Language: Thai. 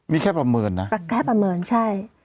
นี่แค่ประเมินนะแค่ประเมินใช่